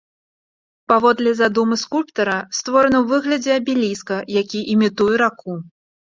Паводле задумы скульптура створана ў выглядзе абеліска, які імітуе раку.